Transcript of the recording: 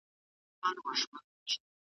ابن العربي د نکاح د حقوقو په اړه څه فرمايلي دي؟